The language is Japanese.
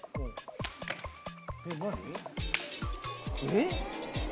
えっ？